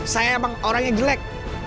saya emang orang yang jelek